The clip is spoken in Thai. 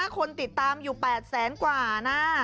คนติดตามอยู่๘แสนกว่านะ